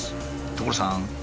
所さん！